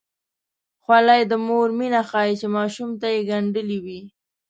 خولۍ د مور مینه ښيي چې ماشوم ته یې ګنډلې وي.